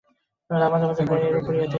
তা, মাঝে মাঝে প্রায়ই তিনি এরূপ করিয়া থাকেন।